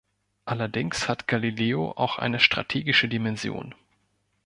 Allerdings hat Galileo auch eine strategische Dimension.